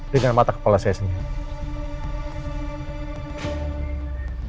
dengan mata kepala saya sendiri